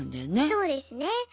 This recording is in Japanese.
そうですね。